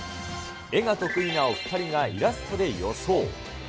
絵が得意なお２人がイラストで予想。